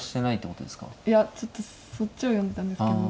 いやちょっとそっちを読んでたんですけど。